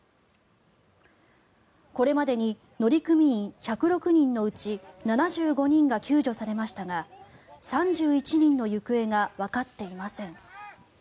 これまでに乗組員１０６人のうち７５人が救助されましたが３１人の行方がわかっていません。